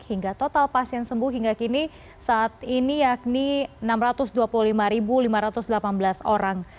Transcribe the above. hingga total pasien sembuh hingga kini saat ini yakni enam ratus dua puluh lima lima ratus delapan belas orang